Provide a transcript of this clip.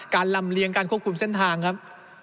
ลำเลียงการควบคุมเส้นทางครับ